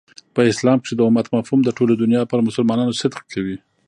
په اسلام کښي د امت مفهوم د ټولي دنیا پر مسلمانانو صدق کوي.